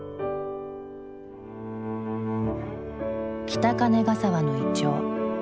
北金ヶ沢のイチョウ。